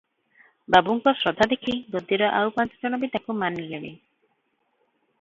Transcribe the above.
ବାବୁଙ୍କ ଶ୍ରଦ୍ଧା ଦେଖି ଗଦିର ଆଇ ପାଞ୍ଚଜଣ ବି ତାକୁ ମାନିଲେଣି ।